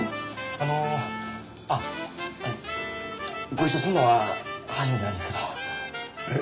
あのあっご一緒するのは初めてなんですけど。え？